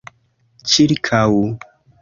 ĉirkaŭ